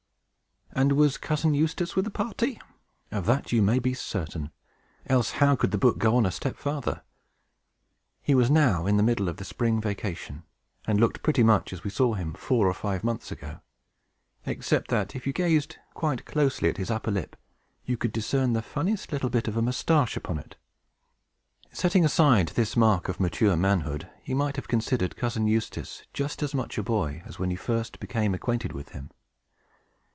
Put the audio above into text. And was Cousin Eustace with the party? Of that you may be certain; else how could the book go on a step farther? He was now in the middle of the spring vacation, and looked pretty much as we saw him four or five months ago, except that, if you gazed quite closely at his upper lip, you could discern the funniest little bit of a mustache upon it. Setting aside this mark of mature manhood, you might have considered Cousin Eustace just as much a boy as when you first became acquainted with him.